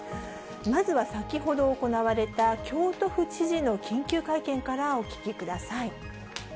まずは先ほど行われた京都府知事の緊急会見からお聞きください。